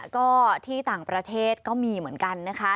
ก็ที่ต่างประเทศก็มีเหมือนกันนะคะ